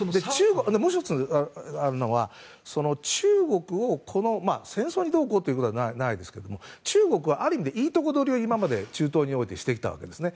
もう１つあるのは、中国を戦争にどうこうということはないですが中国はある意味でいいとこ取りを中東においてしてきたわけですね。